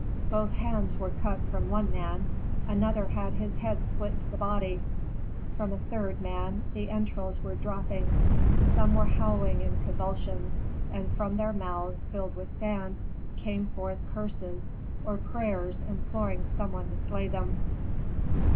Both hands were cut from one man, another had his head split to the body, from a third man, the entrails were dropping. Some were howling in convulsions, and from their mouths, filled with sand, came forth curses, or prayers imploring some one to slay them.